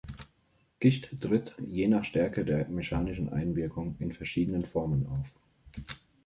Gischt tritt, je nach Stärke der mechanischen Einwirkung, in verschiedenen Formen auf.